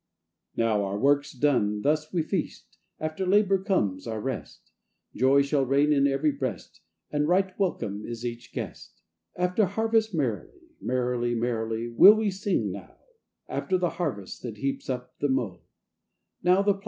] NOW our work's done, thus we feast, After labour comes our rest; Joy shall reign in every breast, And right welcome is each guest: After harvest merrily, Merrily, merrily, will we sing now, After the harvest that heaps up the mow.